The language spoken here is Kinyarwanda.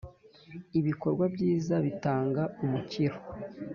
ibikorwa byiza bitanga umukiro